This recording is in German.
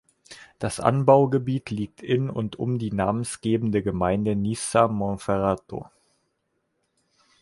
Das Anbaugebiet liegt in und um die namensgebende Gemeinde Nizza Monferrato.